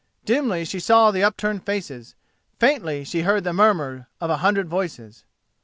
Dimly she saw the upturned faces, faintly she heard the murmur of a hundred voices.